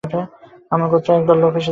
আমার গোত্রের একদল লোক এসেছে।